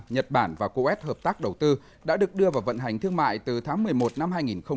nhật bản và coes hợp tác đầu tư đã được đưa vào vận hành thương mại từ tháng một mươi một năm hai nghìn một mươi bảy